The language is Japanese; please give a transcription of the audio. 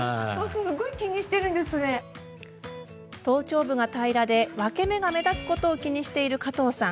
頭頂部が平らで分け目が目立つことを気にしている加藤さん。